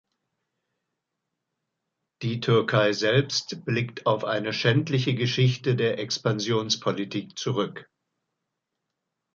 Die Türkei selbst blickt auf eine schändliche Geschichte der Expansionspolitik zurück.